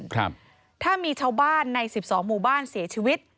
ครับถ้ามีชาวบ้านในสิบสองหมู่บ้านเสียชีวิต